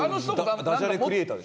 ダジャレクリエーターでしょ？